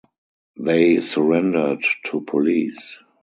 They surrendered to police.